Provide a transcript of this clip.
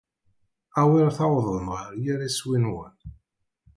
Awer tawḍem ɣer yir iswi-nwen.